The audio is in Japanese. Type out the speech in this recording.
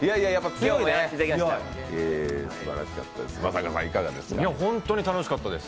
強いね、すばらしかったです